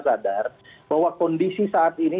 sadar bahwa kondisi saat ini